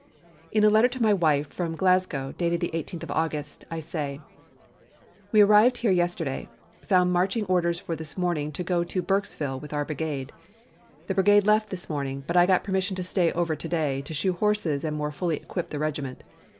In a letter to my wife from Glasgow, dated the 18th of August, I say: "We arrived here yesterday. Found marching orders for this morning to go to Burksville with our brigade. The brigade left this morning, but I got permission to stay over to day to shoe horses and more fully equip the regiment.